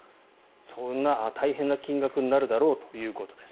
そんな大変な金額になるだろうということです。